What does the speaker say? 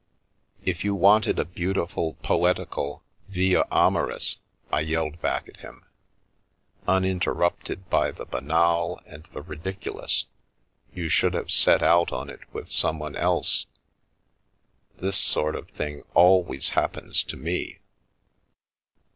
"If you wanted a beautiful poetical Via Amoris," I yelled back at him, " uninterrupted by the banal and the ridiculous, you should have set out on it with someone else. This sort of thing always happens to me."